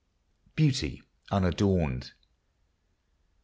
BEAUTY UNADORNED.